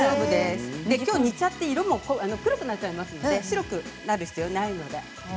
きょうは煮ちゃって色も黒くなってしまうので白い必要はないので。